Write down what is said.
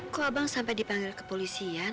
kok abang sampai dipanggil kepolisian